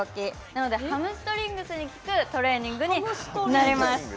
なので、ハムストリングスに効くトレーニングになります。